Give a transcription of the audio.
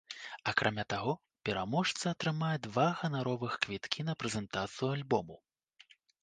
Акрамя таго, пераможца атрымае два ганаровых квіткі на прэзентацыю альбому.